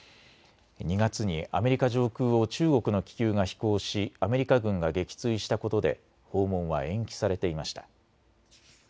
２月にアメリカ上空を中国の気球が飛行しアメリカ軍が撃墜したことで訪問は延期されていました。